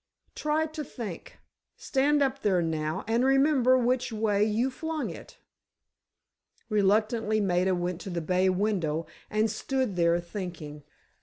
"Try to think. Stand up there now, and remember which way you flung it." Reluctantly, Maida went to the bay window, and stood there thinking.